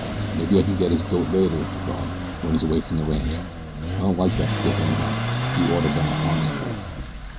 "Maybe I can get his goat later," he thought, "when he's away from the ranch. I don't like that stiff, anyhow. He orter been a harness bull."